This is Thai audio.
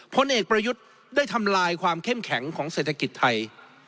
พลเอกประยุทธ์ได้ทำลายความเข้มแข็งของเศรษฐกิจไทย